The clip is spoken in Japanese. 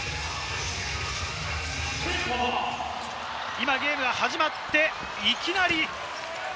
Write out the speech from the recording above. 今、ゲームが始まって、いきなり。